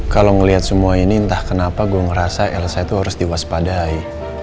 kalau melihat semua ini entah kenapa gue ngerasa elsa itu harus diwaspadai